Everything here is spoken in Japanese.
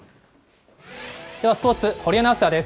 ではスポーツ、堀アナウンサーです。